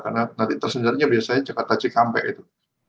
karena nanti tersendatnya biasanya jakarta cikampek itu